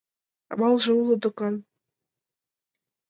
— Амалже уло докан.